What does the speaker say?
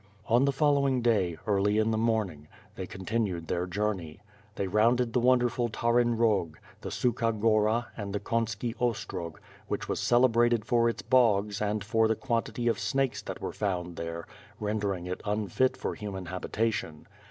On the following day, early in the morning, they continued their journey. They rounded the wonderful Taren Hog, the Sukha Gora and the Konski Ostrog which was celebrated for its bogs and for the quantity of snakes that were found there, rendering it unfit for human habitation.